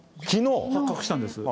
発覚したんです。